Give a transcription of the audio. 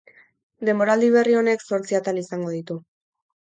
Denboraldi berri honek zortzi atal izango ditu.